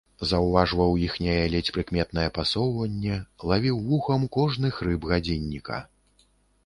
Заўважваў іхняе ледзь прыкметнае пасоўванне, лавіў вухам кожны хрып гадзінніка.